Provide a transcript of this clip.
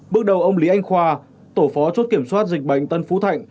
bước đầu ông lý anh khoa tổ phó chốt kiểm soát dịch bệnh tân phú thạnh